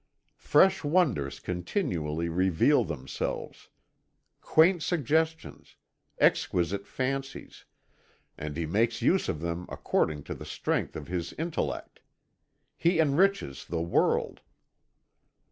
Fresh wonders continually reveal themselves quaint suggestions, exquisite fancies, and he makes use of them according to the strength of his intellect. He enriches the world."